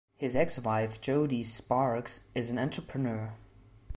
His ex-wife, Jodi Sparks, is an entrepreneur.